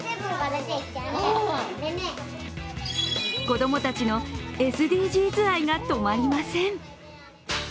子供たちのＳＤＧｓ愛が止まりません。